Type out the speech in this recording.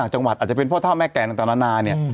อาจจะเป็นพ่อเท้าแม่แก่นตานะเงี้ย